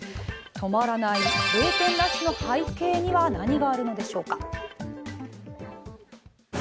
止まらない閉店ラッシュの背景には何があるのでしょうか。